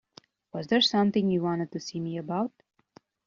Was there something you wanted to see me about?